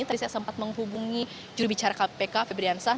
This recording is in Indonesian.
tadi saya sempat menghubungi jurubicara kpk febrian sah